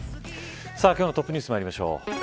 今日のトップニュースまいりましょう。